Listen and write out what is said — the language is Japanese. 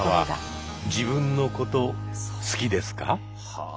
はあ。